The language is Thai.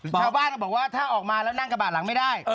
ชาวบ้านก็บอกว่าถ้าออกมาแล้วนั่งกระบะหลังไม่ได้